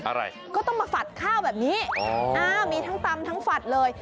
อะไรก็ต้องมาฝัดข้าวแบบนี้มีทั้งตำทั้งฝัดเลย